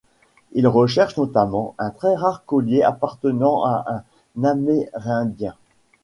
Il recherche notamment un très rare collier appartenant à un Amérindien.